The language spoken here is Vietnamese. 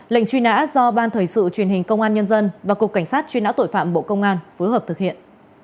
lệnh truy nã do ban thời sự truyền hình công an nhân dân và cục cảnh sát truy nã tội phạm bộ công an phối hợp thực hiện